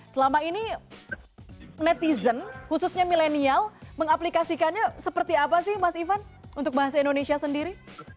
selama ini netizen khususnya milenial mengaplikasikannya seperti apa sih mas ivan untuk bahasa indonesia sendiri